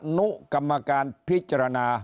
นุกรรมการพิจารณา